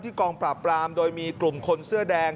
กองปราบปรามโดยมีกลุ่มคนเสื้อแดง